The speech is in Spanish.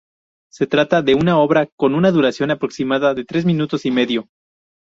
Se trata de una obra con una duración aproximada de tres minutos y medio.